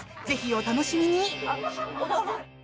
ぜひお楽しみに！